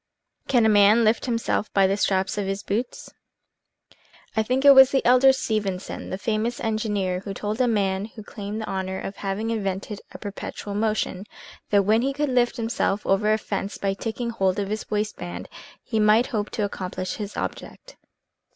CAN A MAN LIFT HIMSELF BY THE STRAPS OF HIS BOOTS? THINK it was the elder Stephenson, the famous engineer, who told a man who claimed the honor of having invented a perpetual motion, that when he could lift himself over a fence by taking hold of his waist band, he might hope to accomplish his object.